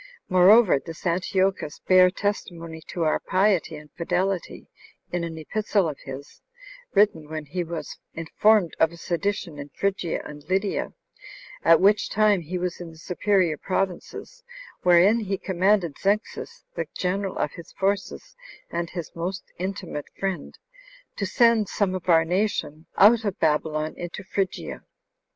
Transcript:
Moreover, this Antiochus bare testimony to our piety and fidelity, in an epistle of his, written when he was informed of a sedition in Phrygia and Lydia, at which time he was in the superior provinces, wherein he commanded Zenxis, the general of his forces, and his most intimate friend, to send some of our nation out of Babylon into Phrygia.